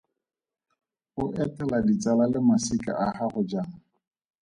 O etela ditsala le masika a gago jang?